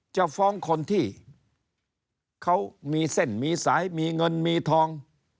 จะฟ้องคนที่เขามีเส้นมีสายมีเงินมีทอง